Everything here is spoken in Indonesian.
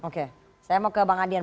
oke saya mau ke bang adian